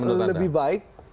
bagaimana menurut anda